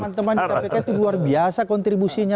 teman teman di kpk itu luar biasa kontribusinya